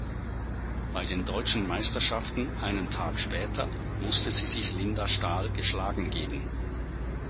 Bei den deutschen Meisterschaften einen Tag später musste sie sich Linda Stahl geschlagen geben.